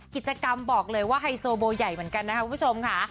กิจกรรมบอกเลยว่าไฮโซโบใหญ่เหมือนกันนะครับคุณผู้ชมค่ะ